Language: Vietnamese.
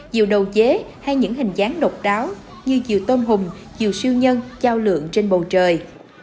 diều đầu chế hay những hình dáng độc đáo như diều tôn hùng diều siêu nhân trao lượng trên bầu trời